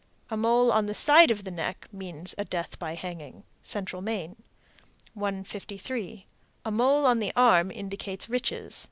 A mole on the side of the neck means a death by hanging. Central Maine. 153. A mole on the arm indicates riches.